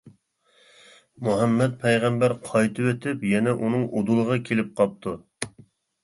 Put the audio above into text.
مۇھەممەد پەيغەمبەر قايتىۋېتىپ، يەنە ئۇنىڭ ئۇدۇلىغا كېلىپ قاپتۇ.